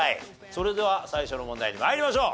それでは最初の問題に参りましょう。